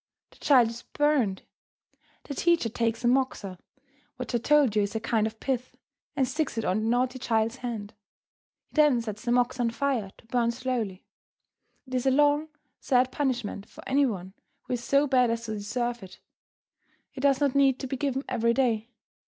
The child is burned! The teacher takes a moxa, which I told you is a kind of pith, and sticks it on the naughty child's hand. He then sets the moxa on fire to burn slowly. It is a long, sad punishment for any one who is so bad as to deserve it. It does not need to be given every day.